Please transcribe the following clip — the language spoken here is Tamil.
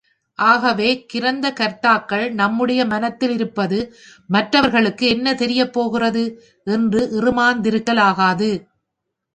ஆகவே, கிரந்த கர்த்தாக்கள் நம்முடைய மனத்திலிருப்பது மற்றவர்களுக்கு என்ன தெரியப் போகிறது? என்று இறுமாந்திருக்கலாகாது!